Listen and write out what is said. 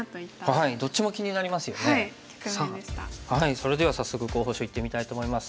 それでは早速候補手いってみたいと思います。